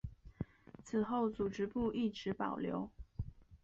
此后组织部一直保留。